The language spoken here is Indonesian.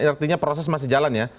artinya proses masih jalan ya